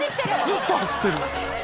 「ずっと走ってる」